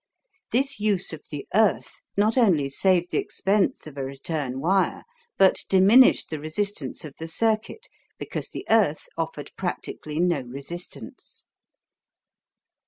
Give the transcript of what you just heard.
This use of the earth not only saved the expense of a return wire, but diminished the resistance of the circuit, because the earth offered practically no resistance.